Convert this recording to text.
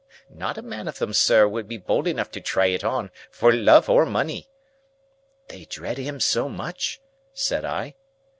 Not a man of them, sir, would be bold enough to try it on, for love or money." "They dread him so much?" said I.